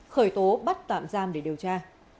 khởi tố bắt tạm giam để điều tra